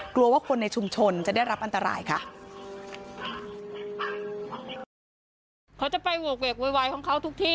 กลัวว่าคนในชุมชนจะได้รับอันตรายค่ะ